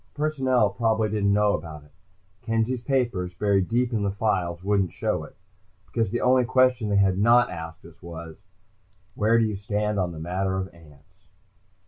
Personnel probably didn't know about it. Kenzie's papers, buried deep in the files, wouldn't show it; because about the only question they had not asked us was, "Where do you stand on the matter of ants?"